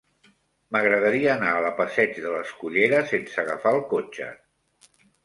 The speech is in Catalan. M'agradaria anar a la passeig de l'Escullera sense agafar el cotxe.